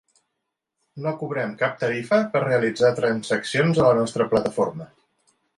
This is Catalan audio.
No cobrem cap tarifa per realitzar transaccions a la nostra plataforma.